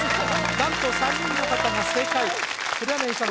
なんと３人の方が正解黒柳さん